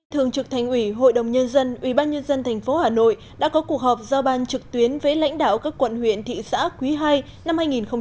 thượng trực thành ủy hội đồng nhân dân ubnd tp hà nội đã có cuộc họp do ban trực tuyến với lãnh đạo các quận huyện thị xã quý ii năm hai nghìn một mươi chín